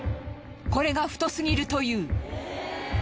これが太すぎるという。